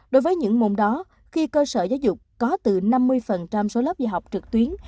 đối với những môn đó khi cơ sở giáo dục có từ năm mươi số lớp dạy học trực tuyến